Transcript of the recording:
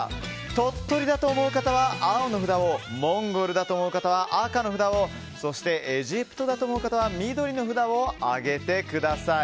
鳥取だと思う方は青の札をモンゴルだと思う方は赤の札をそして、エジプトだと思う方は緑の札を上げてください。